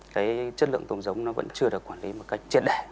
cái chất lượng tôm giống vẫn chưa được quản lý một cách